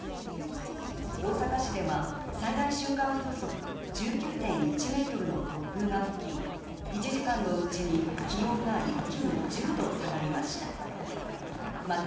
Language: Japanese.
大阪市では最大瞬間風速１９．１メートルの突風が吹き、１時間のうちに気温が一気に１０度下がりました。